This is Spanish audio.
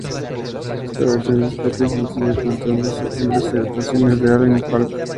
Esta versión es discreta y sencilla, centrándose en las actuaciones de Allen y Falk.